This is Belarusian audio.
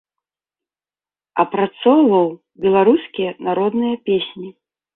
Апрацоўваў беларускія народныя песні.